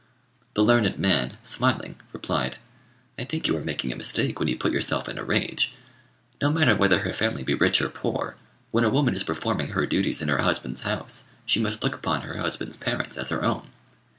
The learned man, smiling, replied, "I think you are making a mistake when you put yourself in a rage. No matter whether her family be rich or poor, when a woman is performing her duties in her husband's house, she must look upon her husband's parents as her own.